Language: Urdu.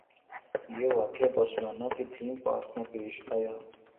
یہ واقعہ بارسلونا کے تھیم پارک میں پیش آیا